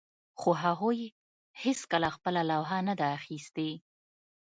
خو هغوی هیڅکله خپله لوحه نه ده اخیستې